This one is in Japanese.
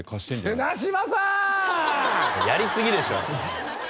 やりすぎでしょ。